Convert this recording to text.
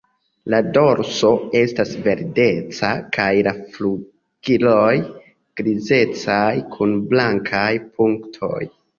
Lo dorso estas verdeca kaj la flugiloj grizecaj kun blankaj punktoj.